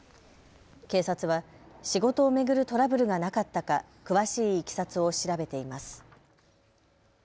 警察は仕事を巡るトラブルがなかったか詳しいいきさつを調べています。